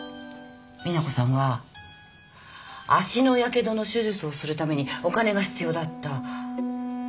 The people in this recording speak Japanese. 美奈子さんは足のやけどの手術をするためにお金が必要だった。